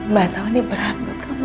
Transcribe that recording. mbak tahu ini berat buat kamu